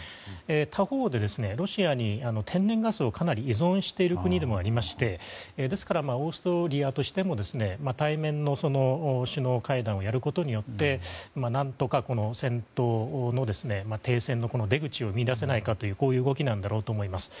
他方で、ロシアに天然ガスをかなり依存している国でもありましてですから、オーストリアとしても対面の首脳会談をやることによって何とか戦闘の停戦の出口を見いだせないかという動きなんだろうと思います。